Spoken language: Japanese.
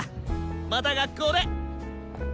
また学校で！